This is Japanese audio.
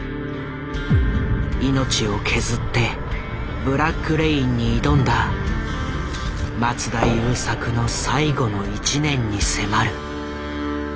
命を削って「ブラック・レイン」に挑んだ松田優作の最後の１年に迫る。